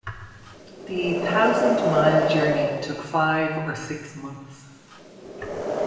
The thousand mile journey took five or six months.